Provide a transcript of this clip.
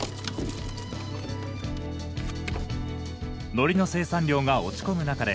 海苔の生産量が落ち込む中で